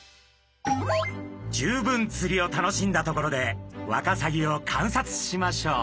十分釣りを楽しんだところでワカサギを観察しましょう。